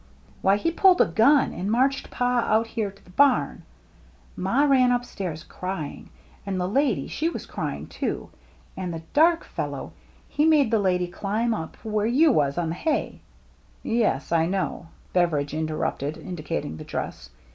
"Why, he pulled a gun, and marched Pa out here to the barn. Ma ran upstairs cry ing. And the lady, she was crying, too. And the dark fellow, he made the lady climb up where you was, on the hay —"" Yes, I know," Beveridge interrupted, indi cating the dress.